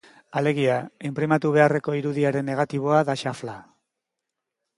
Alegia, inprimatu beharreko irudiaren negatiboa da xafla.